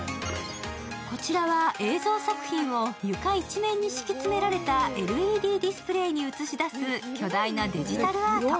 こちらは映像作品を床一面に敷き詰められたＬＥＤディスプレイに映し出す巨大なデジタルアート。